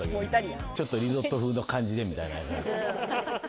ちょっとリゾット風の感じで、みたいな。